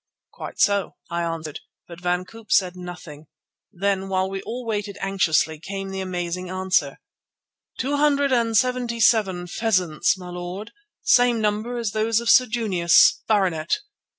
"Quite so," I answered, but Van Koop said nothing. Then, while we all waited anxiously, came the amazing answer: "Two hundred and seventy seven pheasants, my lord, same number as those of Sir Junius, Bart.